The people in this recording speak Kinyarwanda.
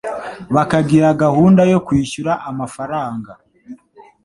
bakagira gahunda yokwishyura amafaranga